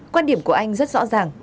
quan điểm của anh rất rõ ràng